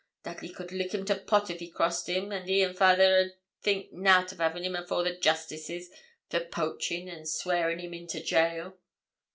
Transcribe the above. Dudley could lick him to pot if he crossed him, and he and fayther 'ud think nout o' havin' him afore the justices for poachin', and swearin' him into gaol.'